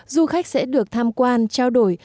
du khách sẽ được tham quan trao đổi